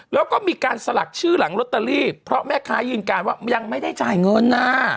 แล้วก็มีการสลักชื่อหลังลอตเตอรี่เพราะแม่ค้ายืนยันว่ายังไม่ได้จ่ายเงินนะ